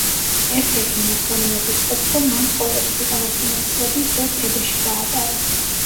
ერთ–ერთი მათგანი მოგვითხრობს, რომ მან ცხოვრების უკანასკნელი წლები ისევ თებეში გაატარა.